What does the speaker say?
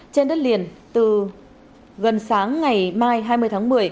trên đất liền từ gần sáng ngày mai hai mươi tháng một mươi